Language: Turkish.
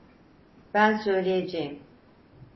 Ben söyleyeceğim.